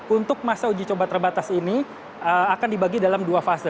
untuk masa uji coba terbatas ini akan dibagi dalam dua fase